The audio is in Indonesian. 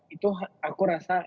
itu aku rasa